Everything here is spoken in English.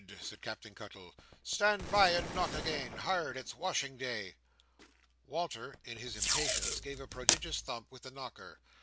said Captain Cuttle. "Stand by and knock again. Hard! It's washing day." Walter, in his impatience, gave a prodigious thump with the knocker.